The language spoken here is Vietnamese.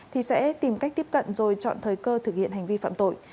thì sẽ tìm cách tiếp cận rồi chọn thời cơ thực hiện hành vi phạm tội